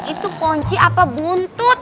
itu ponci apa buntut